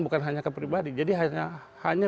bukan hanya ke pribadi jadi hanya